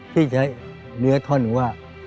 ที่ใช้เนื้อท่อนว่า